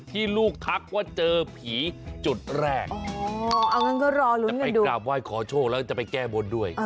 กล้ามไหว้ขอโชคแล้วจะไปแก้บนด้วย